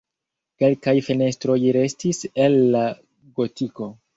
Kelkaj fenestroj restis el la gotiko.